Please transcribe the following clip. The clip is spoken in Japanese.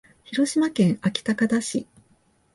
広島県安芸高田市